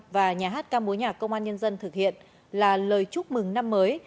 và nhà hát ca mối nhạc công an nhân dân thực hiện là lời chúc mừng năm mới